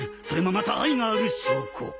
それもまた愛がある証拠。